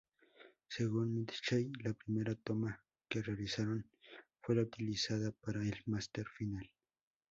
Según Mitchell, la primera toma que realizaron fue la utilizada para el máster final.